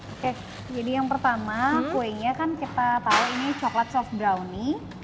oke jadi yang pertama kuenya kan kita tahu ini coklat soft browning